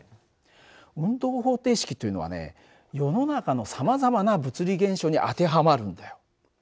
運動方程式というのはね世の中のさまざまな物理現象に当てはまるんだよ。